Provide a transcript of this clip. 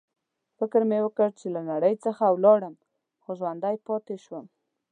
فکر مې وکړ چې له نړۍ څخه ولاړم، خو ژوندی پاتې شوم.